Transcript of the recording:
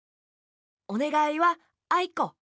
おねがいは「あいこ」。